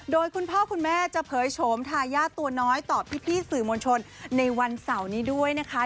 โดยคุณพ่อคุณแม่จะเผยโฉมทายาทตัวน้อยต่อพี่สื่อมวลชนในวันเสาร์นี้ด้วยนะคะ